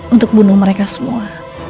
untuk bunuh mereka semua